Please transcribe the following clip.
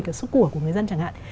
của sức của của người dân chẳng hạn